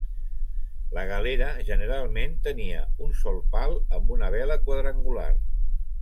La galera generalment tenia un sol pal amb una vela quadrangular.